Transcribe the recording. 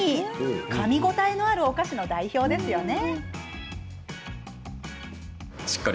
かみ応えのあるお菓子の代表ですよね。